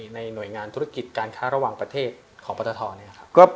หน่วยงานธุรกิจการค้าระหว่างประเทศของปตทเนี่ยครับ